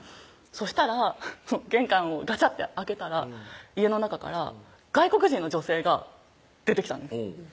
そしたら玄関をガチャッて開けたら家の中から外国人の女性が出てきたんです